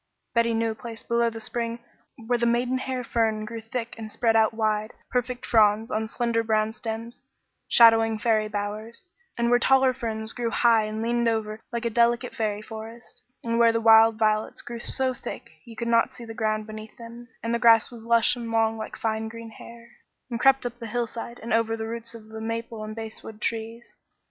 Betty knew a place below the spring where the maidenhair fern grew thick and spread out wide, perfect fronds on slender brown stems, shading fairy bowers; and where taller ferns grew high and leaned over like a delicate fairy forest; and where the wild violets grew so thick you could not see the ground beneath them, and the grass was lush and long like fine green hair, and crept up the hillside and over the roots of the maple and basswood trees.